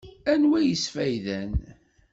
Anwa i yesfayden?